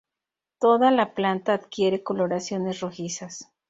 Toda la planta adquiere coloraciones rojizas.